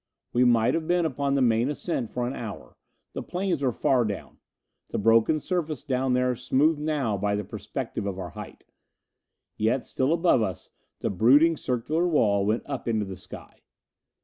We might have been upon this main ascent for an hour; the plains were far down, the broken surface down there smoothed now by the perspective of our height. And yet still above us the brooding circular wall went up into the sky.